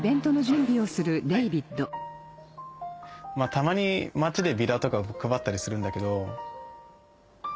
たまに街でビラとかを配ったりするんだけど。